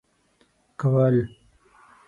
كول.